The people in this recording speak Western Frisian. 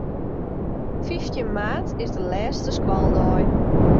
Fyftjin maart is de lêste skoaldei.